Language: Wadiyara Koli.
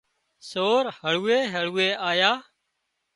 سور هۯوئي هۯوئي آيا